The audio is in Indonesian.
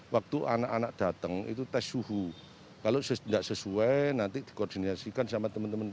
waktu anak anak datang itu tes suhu kalau tidak sesuai nanti dikoordinasikan sama teman teman